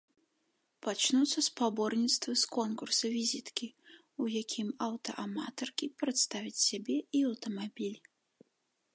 Пачнуцца спаборніцтвы з конкурса-візіткі, у якім аўтааматаркі прадставяць сябе і аўтамабіль.